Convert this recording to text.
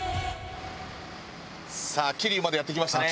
さあ桐生までやって来ましたね。